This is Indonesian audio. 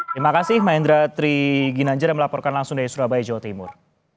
terima kasih mahendra tri ginanjar yang melaporkan langsung dari surabaya jawa timur